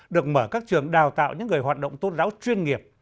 được mở các trường đào tạo những người hoạt động tôn giáo chuyên nghiệp